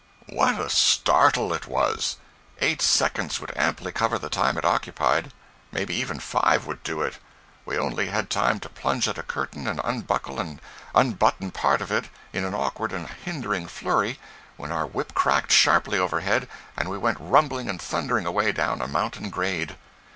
] What a startle it was! Eight seconds would amply cover the time it occupied—maybe even five would do it. We only had time to plunge at a curtain and unbuckle and unbutton part of it in an awkward and hindering flurry, when our whip cracked sharply overhead, and we went rumbling and thundering away, down a mountain "grade."